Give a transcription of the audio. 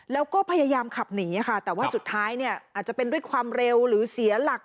แล้วก็พยายามขับหนีค่ะแต่ว่าสุดท้ายเนี่ยอาจจะเป็นด้วยความเร็วหรือเสียหลัก